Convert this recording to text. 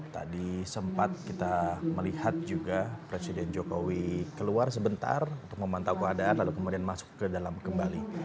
tadi sempat kita melihat juga presiden jokowi keluar sebentar untuk memantau keadaan lalu kemudian masuk ke dalam kembali